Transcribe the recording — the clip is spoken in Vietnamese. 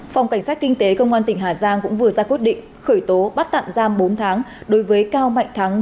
phòng cảnh sát kinh tế công an tỉnh hà giang cũng vừa ra quyết định khởi tố bắt tạm giam bốn tháng đối với cao mạnh thắng